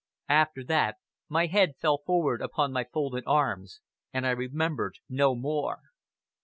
After that, my head fell forward upon my folded arms, and I remembered no more!